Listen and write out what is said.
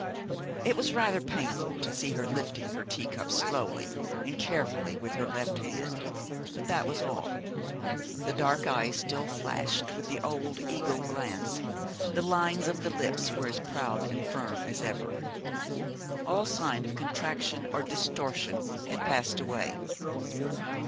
It was rather painful to see her lifting her tea cup slowly and carefully with her left hand, but that was all. The dark eyes still flashed with the old eagle glance, the lines of the lips were as proud and firm as ever. All sign of contraction or distortion had passed away.